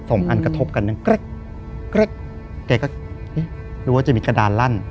สองอันกระทบกันแกก็นี่รู้ว่าจะมีกระดานลั่น